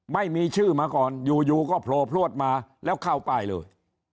ไม่มีชื่อมาก่อนอยู่ก็โผล่พลวดมาแล้วเข้าป้ายเลย